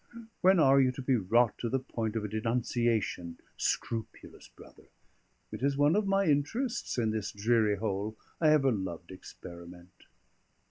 When are you to be wrought to the point of a denunciation, scrupulous brother? It is one of my interests in this dreary hole. I ever loved experiment."